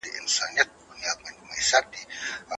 دا بادرنګ په بازار کې تر ټولو لوړ کیفیت او ښکلی رنګ لري.